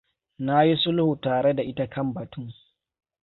Na yi sulhu tare da ita kan batun.